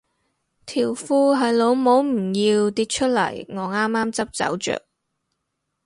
條褲係老母唔要掉出嚟我啱啱執走着